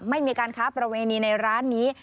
ไม่มีการค้าประเวณีในร้านนี้